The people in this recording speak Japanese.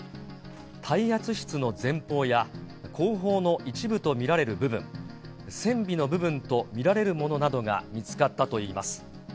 耐圧室の前方や、後方の一部と見られる部分、船尾の部分と見られるものなどが見つかったといいます。